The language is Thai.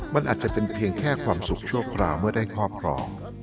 มันอาจจะเป็นเพียงแค่ความสุขชั่วคราวเมื่อได้ครอบครอง